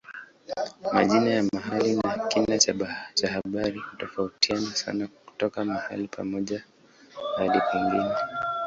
Majina ya mahali na kina cha habari hutofautiana sana kutoka mahali pamoja hadi pengine.